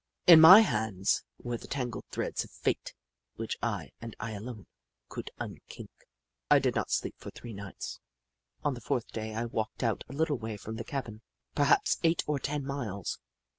In my hands were the tangled threads of Fate, which I and I alone could unkink. I did not sleep for three nights. On the fourth day, I walked out a little way from the cabin — perhaps eight or ten miles.